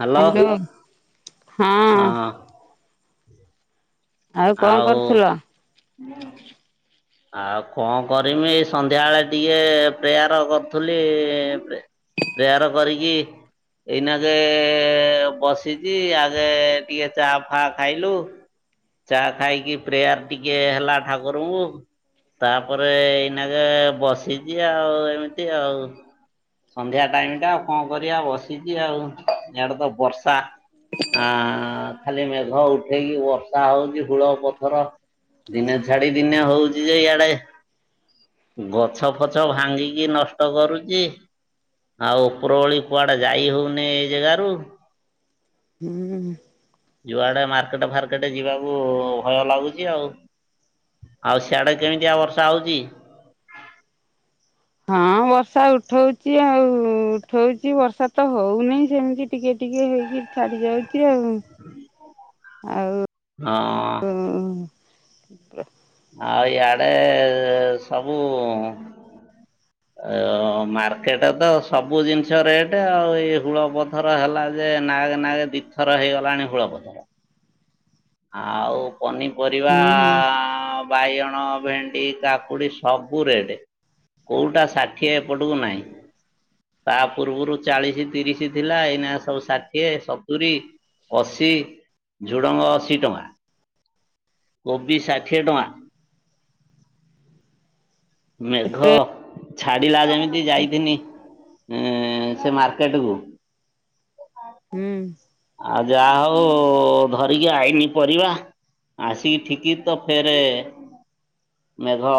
Hello hello ହଁ। କଣ ଆଉ କରୁଥିଲ? ଆଉ କଣ କରିମି ଏଇ ସନ୍ଧ୍ୟାବେଳେ ଟିକେ ପ୍ରେୟାର କରୁଥିଲି ପ୍ରେ ପ୍ରେୟାର କରିକି ଏଇନାକେ ବସିଚି ଆଗେ ଟିକେ ଚା ଫା ଖାଇଲୁ ଚା ଖାଇକି ପ୍ରେୟାର୍ ଟିକେ ହେଲା ଠାକୁରଙ୍କୁ। ତାପରେ ଏଇନାକେ ବସିଚି ଆଉ ଏମିତି ଆଉ। ସନ୍ଧ୍ୟା ଟାଇମ୍ ଟା ଆଉ କଣ କରିବା ଆଉ ବସିଚି ଆଉ ଇଆଡେ ତ ବର୍ଷା ଆଁ ଖାଲି ମେଘ ଉଠେଇକି ବର୍ଷା ହଉଚି [unintelligible] ପଥର ଦିନେ ଛାଡି ଦିନେ ହଉଚି ଯେ ଇଆଡେ ଗଛ ପଛ ଭାଙ୍ଗିକି ନଷ୍ଟ କରୁଚି। ଆଉ ଉପରଉଳି କୁଆଡେ ଯାଇ ହଉନି ଏଇ ଜାଗାରୁ। ହୁଁ। ଯୁଆଡେ ମାର୍କେଟେ ଫାର୍କେଟେ ଯିବାକୁ ଭୟ ଲାଗୁଚି ଆଉ। ଆଉ ସିଆଡେ କେମିତିଆ ବର୍ଷା ହଉଚି? ହଁ ବର୍ଷା ଉଠଉଚି ଆଉ ଉଠଉଚି ବର୍ଷା ତ ହଉନି ସେମିତି ଟିକେ ଟିକେ ହେଇକି ଛାଡି ଯାଉଚି ଆଉ- ଆଉ ହଁ। ଆଉ ଇଆଡେ ସବୁ ଅ- ମାର୍କେଟ ତ ସବୁ ଜିନିଷ ରେଟେ ଆଉ ଏଇ ହୁଳ ପଥର ପା ହେଲା ଯେ ନାଗେ ନାଗେ ଦି ଥର ହେଇଗଲାଣି ହୁଳ ପଥର। ଆଉ ପନିପରିବା ହୁଁ ଆ ଉ ବାଇଗଣ, ଭେଣ୍ଡି, କାକୁଡି ସବୁ ରେଟ୍। କୋଉଟା ଷାଠିଏ ଏପଟକୁ ନାହିଁ। ତା ପୂର୍ବରୁ ଚାଳିଶି ତିରିଶି ଥିଲା ଏଇନାକେ ସବୁ ଷାଠିଏ ସତୁରୀ ଅଶୀ ଝୁଡ଼ଙ୍ଗ ଅଶ ଶି ଟଙ୍କା କୋବି ଷାଠିଏ ଟଙ୍କା। ମେଘ ଏତେ ଛାଡିଲା ଯେମିତି ଯାଇଥିନି ଉଁ ସେ ମାର୍କେଟକୁ ହୁଁ। ଆଉ ଯାହା ହଉ ଧରିକି ଆଇନି ପରିବା ଆସିକି ଠିକିଚି ତ ଫେରେ ମେଘ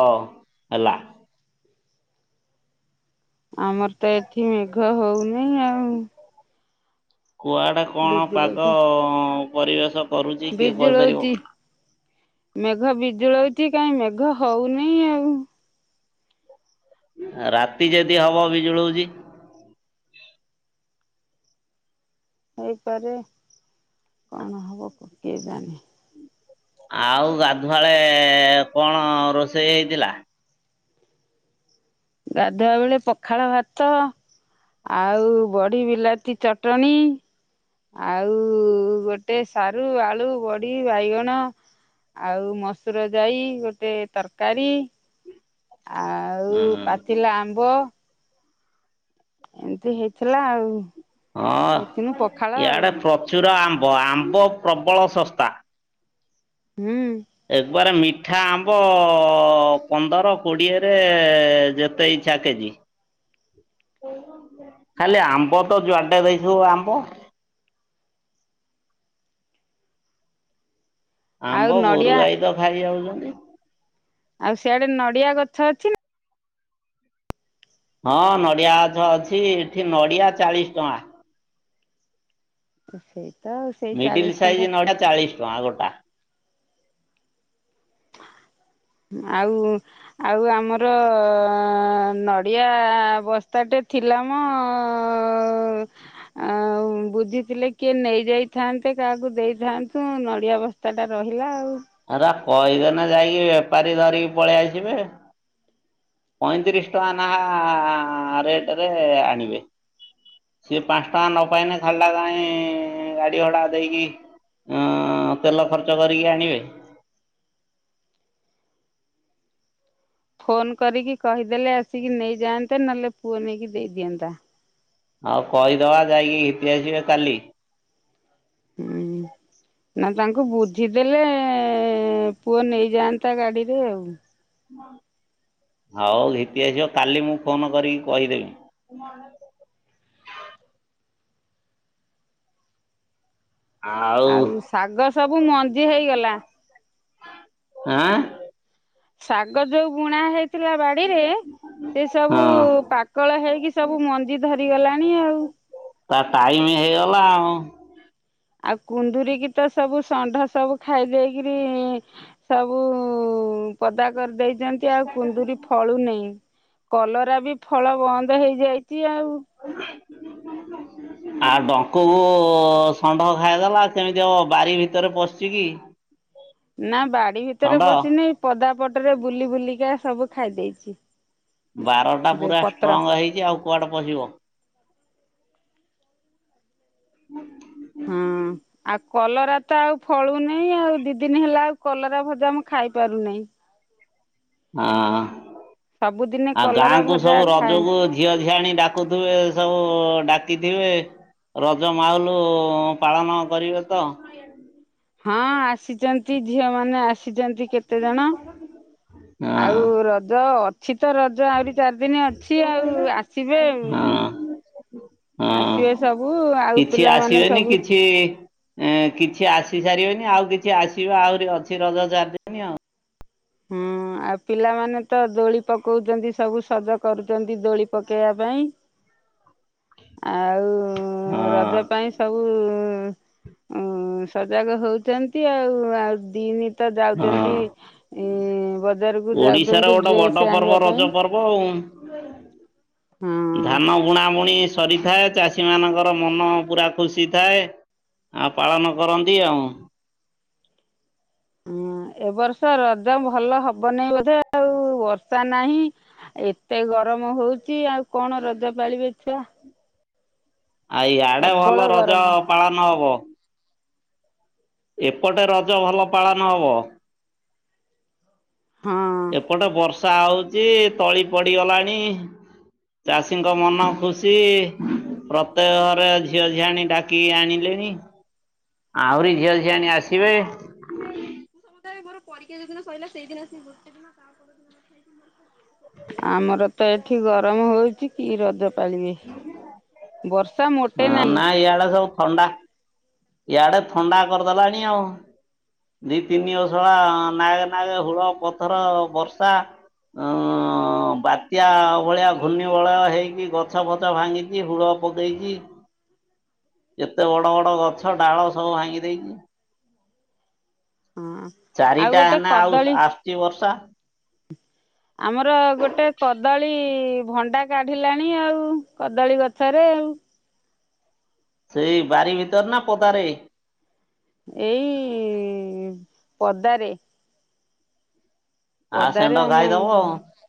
ହେଲା। ଆମର ତ ଏଠି ମେଘ ହଉନେଇ ଆଉ। କୁଆଡ଼େ କଣ ପାଗ ବିଜୁଳଉଛି ପରିବେଶ କରୁଛି କିଏ କହିପାରିବ? ବିଜୁଳଉଛି ମେଘ ବିଜୁଳଉଛି କାଇଁ ମେଘ ହଉନେଇ ଆଉ। ରାତି ଯଦି ହବ ବିଜୁଳଉଚି। ହେଇପାରେ କଣ ହବ କ କିଏ ଜାନେ। ଆଉ ଗାଧୁଆଳେ କଣ ରୋଷେଇ ହେଇଥିଲା? ଗାଧୁଆ ବେଳେ ପଖାଳ ଭାତ ଆଉ ବଢି ବିଲାତି ଚଟଣି ଆଉ ଗୋଟ ଟେ ସାରୁ, ଆଳୁ, ବଢି, ବାଇଗଣ ଆଉ ମସୁର ଯାଇ ଗୋଟେ ତରକାରୀ ଆଉ ହୁଁ ପାଚିଲା ଆମ୍ବ ଏମିତି ହେଇଥିଲା ଆଉ। ଖାଇଥିନୁ ହଁ ପଖାଳ ଆଉ ଇଆଡେ ପ୍ରଚୁର ଆମ୍ବ, ଆମ୍ବ ପ୍ରବଳ ଶସ୍ତା। ହୁଁ। ଏକବାର ମିଠା ଆମ୍ବ ପନ୍ଦର କୋଡିଏରେ ଯେତେ ଇଛ ଛା କେଜି ଖାଲି ଆମ୍ବ ତ ଜୁଆଡେ ଦେଖିବ ଆମ୍ବ। ଆଉ ଆମ୍ବ ଗୋରୁ ନଡ଼ିଆ ଗାଈ ତ ଖାଇଯାଉଛନ୍ତି। ଆଉ ସିଆଡେ ନଡିଆ ଗଛ ଅଛି ନ ହଁ ନଡ଼ିଆ ଗଛ ଅଛି ଏଠି ନଡ଼ିଆ ଚାଳିଶ୍ ଟଙ୍କା। ସେଇ ତ ଆଉ ସେଇ ଚାଳିଶ ଟଙ୍କା। ଚାଳିଶ୍ ଟଙ୍କା ଗୋଟା। ଆଉ? ଆଉ ଆମର ନଡ଼ିଆ ବସ୍ତାଟେ ଥି ଲା ମ ଆଉ ବୁଝିଥିଲେ କିଏ ନେଇଯାଇଥାନ୍ତେ କାହାକୁ ଦେଇଥାନ୍ତୁ ନଡିଆ ବସ୍ ସେଟା ରହିଲା ଆଉ। ହରା କହିଲେ ନା ଯାଇକି ବେପାରୀ ଧରିକି ପଲେଇ ଆସିବେ। ପଇଁତିରିଶ୍ ଟଙ୍କା ନାହା ରେଟରେ ଆଣିବେ। ସିଏ ପାଞ୍ଚ ଟଙ୍କା ନ ପାଇନେ ଖାଲିଟା କାଇଁ ଗାଡି ଭଡା ଦେଇକି ଆଁ ତେଲ ଖର୍ଚ୍ଚ କରିକି ଆଣିବେ? ଫୋନ୍ କରିକି କହିଦେଲେ ଆସିକି ନେଇଯାନ୍ନ୍ତେ ନହେଲେ ପୁଅ ନେଇକି ଦେଇଦିଅନ୍ତା। ଆଉ କହିଦବା ଯାଇକି ଘିତି ଆସିବେ କାଲି। ହୁଁ ନା ତାଙ୍କୁ ବୁଝି ଦେଲେ ପୁଅ ନେଇଯାଆନ୍ତା ଗାଡ଼ିରେ ଆଉ। ହଉ ଘିତି ଆସିବ କାଲି ମୁଁ ଫୋନ କରିକି କହିଦେବି। ଆଉ ଶାଗ ସବୁ ମଞ୍ଜି ହେଇଗଲା। ଆଁ? ଶାଗ ଯୋଉ ବୁଣା ହେଇଥିଲା ବାଡିରେ ସେ ସବୁ ହଁ ପାକଳ ହେଇକି ସବୁ ମଞ୍ଜି ଧରିଗଲାଣି ଆଉ ତା ଟାଇମ୍ ହେଇଗଲା ଆଉ। ଆଉ କୁନ୍ଦୁରିକି ତ ସବୁ ଷଣ୍ଢ ସବୁ ଖାଇ ଦେଇକିରି ସବୁ ପଦା କରିଦେଇଛନ୍ତି ଆଉ କୁନ୍ଦୁରି ଫଳୁ ନେଇ। କଲରା ବି ଫଳ ବନ୍ଦ ହେଇଯାଇଛି ଆଉ [unintelligible] [unintelligible] ଆଉ ଡଙ୍କୁକୁ ଷଣ୍ଢ ଖାଇଦେଲା କେମିତି ହବ ବାରି ଭିତରେ ପଶି କି [unintelligible] ନା ବାଡି ଭିତରେ ଷଣ୍ଢ। ପଶିନି ପଦାପଟରେ ବୁଲି ବୁଲିକା ସବୁ ଖାଇ ଦେଇଛି। ବାରଟା ପୁରା ଷ୍ଟ୍ରଙ୍ଗ୍ ହେଇଛି ଆଉ କୁଆଡ଼େ ପଶିବ? [unintelligible] ହଁ। ଆଉ କଲରା ତ ଆଉ ଫଳୁନାହିଁ ଆଉ ଦି ଦିନ ହେଲା ଆଉ କଲରା ଭଜା ମୁଁ ଖାଇ ପାରୁନାହିଁ। ହା ସବୁଦିନେ ଆଉ କଲରା ଗାଁ କୁ ଭଜା ସବୁ ଖାଏ। ରଜକୁ ଝିଅ ଝିଆଣି ଡାକୁଥିବେ ସବୁ ଡାକିଥିବେ ରଜ ମାହୁଲୁ ପାଳନ କରିବେ ତ? ହଁ ଆସିଛନ୍ତି ଝିଅ ମାନେ ଆସିଛନ୍ତି। କେତେ ଜଣ ହଁ ଆଉ ରଜ ଅ ଅଛି ତ ରଜ ଆହୁରି ଚାରି ଦିନ ଅଛି ଆଉ ଆସିବେ ଆଉ। ହଁ। ହଁ ଆସିବେ ସବୁ ଆଉ କିଛି ପିଲାମାନେ ଆସିବେନି ସବୁ କିଛି ଏ କିଛି ଆସି ସାରିବେନି ଆଉ କିଛି ଆସିବ ଆହୁରି ଅଛି ରଜ ଚାରିଦି ହୁଁ। ଆଉ ପିଲାମାନେ ତ ଦୋଳି ପକଉଛନ୍ତି ସବୁ ସଜ କରୁଛନ୍ତି ଦୋଳି ପକେଇବା ପାଇଁ। ଆଉ ହଁ ରଜ ପାଇଁ ସବୁ ଉ ସଜାଗ ହଉଛନ୍ତି ଆଉ ଆଉ ଦିନ୍ ତ ଯାଉଛନ୍ତି ହଁ ବଜାରକୁ ଓଡିଶାର ଯାଉଛନ୍ତି ଗୋଟେ ବଡ ଡ୍ରେସ୍ ପର୍ବ ଆଣିବା ପାଇଁ। [unintelligible] ହୁଁ। ଧାନ ବୁଣା ବୁଣି ସରିଥାଏ ଚାଷୀ ମାନଙ୍କର ମନ ପୁରା ଖୁସି ଥାଏ। ଆ ପାଳନ କରନ୍ତି ଆଉ। ହଁ ଏବ ବର୍ଷ ରଜ ଭଲ ହବନି ବୋଧେ ଆଉ। [inaudible] ବର୍ଷା ନାହିଁ ଏତେ ଗରମ ହଉଛି ଆଉ କଣ ରଜ ପାଳିବେ ଛୁଆ। ଆ ଇଆଡେ ପ୍ରବଳ ଭଲ ରଜ ଗରମ ପାଳନ ହବ। ଏପଟେ ରଜ ଭଲ ପାଳନ ହବ? ହଁ। [inaudible] ବର୍ଷା ହଉଛି ତଳି ପଡିଗଲାଣି ଚାଷୀଙ୍କ ମନ ଖୁସି ପ୍ରତ୍ୟେକ ଘରେ ଝିଅ ଝିଆଣି ଡାକିକି ଆଣିଲେଣି। [inaudible] ଆହୁରି ଝିଅ ଝିଆଣି ଆସିବେ। ସମୁଦାୟ ମୋ ପରୀକ୍ଷା ଯୋଉଦିନ ସଇଲା ସେଇଦିନ ସେଇଦିନ ସେଗୋଟେ ଦିନ ତାପର ଦିନ [unintelligible] ଆମରତ ଏଠି ଗରମ ହଉଚି କିରଜ [unintelligible] ମୋଟେ ହଁ ନାହିଁ ନା ଇଆଡ଼େ ସବୁ ଥଣ୍ଡା ଇଆଡ଼େ ଥଣ୍ଡା କରିଦେଲାଣି ଆଉ। ଦି ତିନି ଅଷଳା ନାଗେ ନାଗେ ହୁଳ ପଥର ବର୍ଷା ଉ-ଉ-ଉ ବାତ୍ୟା ଭଳିଆ ଘୂର୍ଣ୍ଣିବଳୟ ହେଇକି ଗଛ ଫଛ ଭାଙ୍ଗିିକି ହୁଳ [inaudible] ପକେଇଚି କେତେ ବଡ଼ ବଡ଼ ଗଛ ଡାଳ ସବୁ ଭାଙ୍ଗି ଦେଇଚି। ହଁ ଆଉ ଚାରିଟା ଗୋଟେ ହେନା ଆଉ କଦଳୀ ଆସୁଚି ବର୍ଷା। [inaudible] ଆମର ଗୋଟେ କଦଳୀ ଭଣ୍ଡା କାଢ଼ିଲାଣି ଆଉ କଦଳୀ ଗଛରେ ଆଉ। ସେଇ ବାରି ଭିତରେନା ପଦାରେ? ଏଇ-ଇ-ଇ-ପଦାରେ। ଆ ପଦାରେ ଷେଣ୍ଢ ଆମ ଖାଇଦବ ଘ [unintelligible]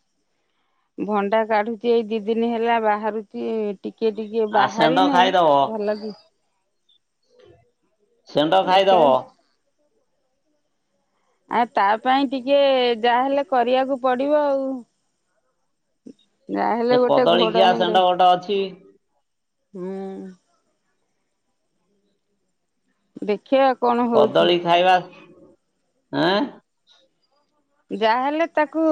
ଭଣ୍ଡା କାଢୁଚି ଏଇ ଦି ଦିନି ହେଲା ବାହାରୁଚି ଟିକେ ଟିକେ ଆ ବାହାରି ଷେଣ୍ଢ ନେଇଁ ଖାଇଦବ। ଭଲକି ସେଣ୍ଡ ଖାଇଦବ। ଆ ତାପାଇଁ ଟିକେ ଯାହାହେଲେ କରିବାକୁ ପଡ଼ିବ ଆଉ। ଯାହେଲେ ସେ ଗୋଟେ କଦଳୀ ଖିଆ ଘୋଡ଼ଣି ଦ ଷେଣ୍ଢ ଗୋଟେ ଅଛି ହୁଁ। ଦେଖିଆ କଣ ହଉଛି କଦଳୀ ଖାଇବା ଆଁ? ଯାହାହେଲେ ତାକୁ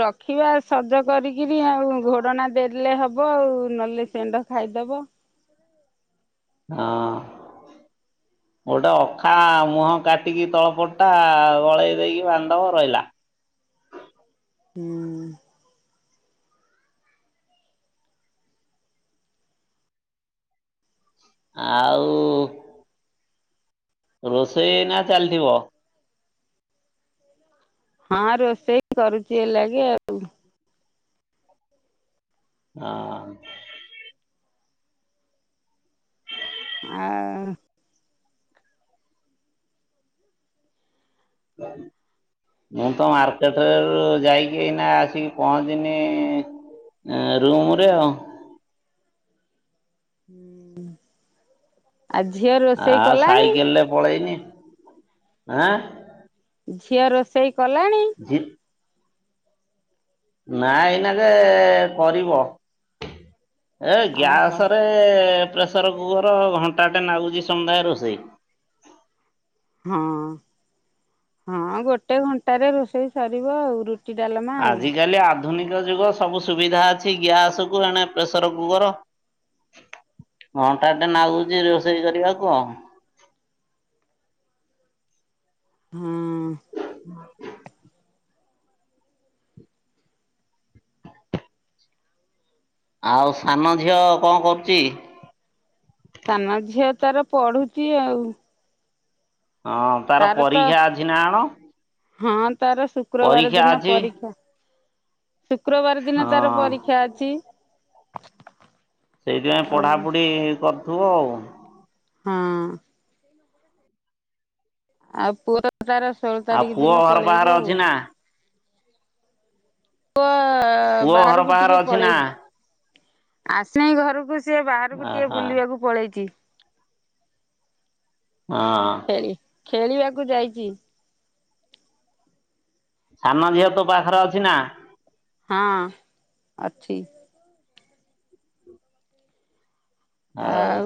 ରଖିବା ସଜ କରିକିରି ଆଉ ଘୋଡ଼ଣା ଦେ ଇଏ ହବ ଆଉ ନହେଲେ ସେଣ୍ଡ ଖାଇଦବ। ହଁ। [inaudible] ଗୋଟେ ଅଖା ମୁହଁ କାଟିକି ତଳପଟା ଗଳେଇ ଦେଇକି ବାନ୍ଧିଦବ ରହିଲା। ହୁଁ। ଆ-ଉ-ଉ ରୋଷେଇ ଏଇନା ଚାଲିଥିବ? ହଁ ରୋଷେଇ କରୁଚି ଏଇଲାଗେ ଆଉ। ହଁ। ଆ-ଆ [inaudible] ମୁଁତ ମାର୍କେଟରରୁ ଯାଇକି ଏଇନା ଆସିକି ପହଞ୍ଚିନି ଉ ରୁମରେ ଆଉ। ହୁଁ। ଆ ଝିଅର ଆଉ ସାଇକେଲରେ ପଳେଇନି ଆଁ? ଝିଅ ରୋଷେଇ କଲାଣି? ଝି ନା ଏଇନାକେ କରିବ ଏ ଓହୋ ଗ୍ୟାସରେ ଏ ପ୍ରେସର କୁକର ଘଣ୍ଟାଟେ ନାଗୁଚି ସମୁଦାଏ ରୋଷେଇ। ହଁ ହଁ ଗୋଟେ ଘଣ୍ଟାରେ ରୋଷେଇ ସରିବ ଆଉ ର ଆଜିକାଲି ଆଧୁନିକ ଯୁଗ ସବୁ ସୁବିଧା ଅଛି ଗ୍ୟାସ୍ କୁ ଏଣେ ପ୍ରେସର କୁକର ଘଣ୍ଟା ଟେ ନାଗୁଛି ରୋଷେଇ କରିବାକୁ ଆଉ। ହୁଁ। ଆଉ ସାନ ଝିଅ କଣ କରୁଛି? ସାନ ଝିଅ ତାର ପଢୁଚି ଆଉ। ହଁ ତାର ପରୀକ୍ଷା ଅଛି ନା ଆଣ। ହଁ ତାର ଶୁକ୍ରବାର ଦିନ ଅଛି ପରୀକ୍ଷା। ଶୁକ୍ରବାର ଦିନ ତାର ହଁ ପରୀକ୍ଷା ଅଛି। ସେଇଥିପାଇଁ ଆଉ। ପଢ଼ାପଢ଼ି କରୁଥିବ ଆଉ। ହଁ। ଆଉ ପୁଅ ତାର ଷୋଳ ଆଉ ତାରିଖ ପୁଅ ଦିନ ଘର ବାହାରେ ପଳେଇବ ଆଉ। ଅଛି ନା ପୁଅ ଘର ବାହାରକୁ ବାହାରେ ଟିକେ ଅଛି ନା? ପଳେଇ ଆସେଇଁ ଘରକୁ ସେ ବାହାରକୁ ଟିକେ ଅହ ବୁଲିବାକୁ ପଳେଇଛି। ହଁ। ଖେଳି ଖେଳିବାକୁ ଯାଇଛି। ସାନ ଝିଅ ତୋ ପାଖରେ ଅଛି ନା। ହଁ ଅଛି। ହଉ ଆଉ।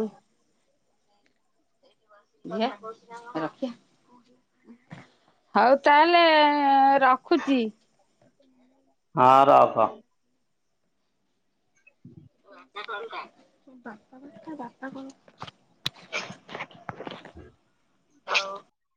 [unintelligible] ହଉ ତାହେଲେ ରଖୁଛି। ହଁ ରଖ। ବାପା କଥା [inaudible]